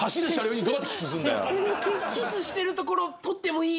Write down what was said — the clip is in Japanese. キスしてるところ撮ってもいい？